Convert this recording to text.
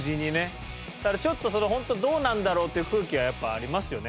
あれちょっとそのほんとどうなんだろう？っていう空気はやっぱありますよね。